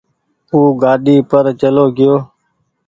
او گآڏي پر چلو گئيو